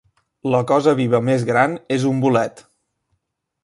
La cosa viva més gran és un bolet.